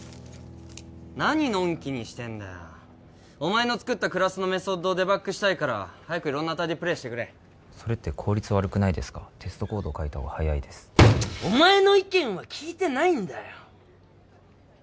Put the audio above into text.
何のんきにしてんだよお前の作ったクラスのメソッドをデバッグしたいから早く色んな値でプレイしてくれそれって効率悪くないですかテストコードを書いた方が早いですお前の意見は聞いてないんだよ！